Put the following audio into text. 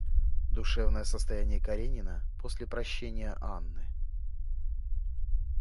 Душевное состояние Каренина после прощения Анны.